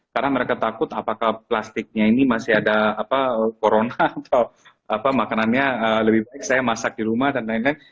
karena mereka takut apakah plastiknya ini masih ada corona atau makanannya lebih baik saya masak di rumah dan lain lain